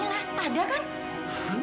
hah kamila ada kan